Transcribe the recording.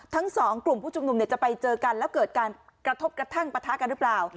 ทั้งสองกลุ่มผู้ชุมนุมเนี่ยจะไปเจอกันแล้วเกิดการกระทบกระทั่งปะทะกันหรือเปล่า